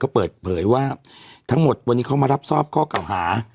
ก็เปิดเผยว่าทั้งหมดวันนี้เขามารับทราบข้อเก่าหา